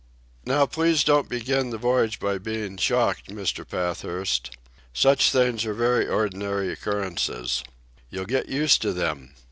"Now please don't begin the voyage by being shocked, Mr. Pathurst. Such things are very ordinary occurrences. You'll get used to them.